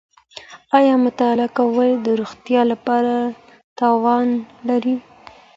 ایا مطالعه کول د روغتیا لپاره تاوان لري؟